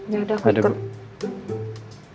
ya udah aku kerja